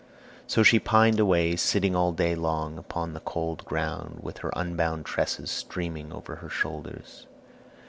So she pined away, sitting all day long upon the cold ground, with her unbound tresses streaming over her shoulders.